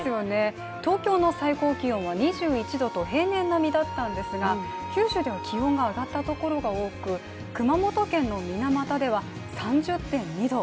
東京の最高気温は２１度と平年並みだったんですが九州では気温が上がったところが多く熊本県の水俣では３０．２度。